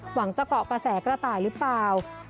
หวังจะเกาะกระแสกระต่ายหรือเปล่า